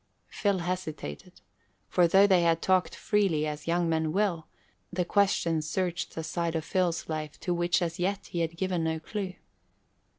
Phil hesitated, for though they had talked freely, as young men will, the question searched a side of Phil's life to which as yet he had given no clue.